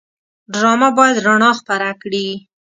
ډرامه باید رڼا خپره کړي